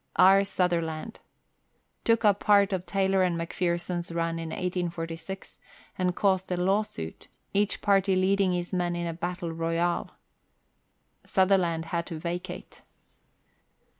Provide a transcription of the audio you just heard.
R. Sutherland. Took up part of Taylor and McPherson's run iii 184G, and caused a law suit, each party leading his men in a battle royal. Sutherland had to vacate.